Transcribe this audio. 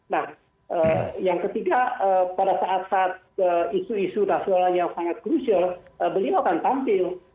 nah yang ketiga pada saat saat isu isu rasional yang sangat krusial beliau akan tampil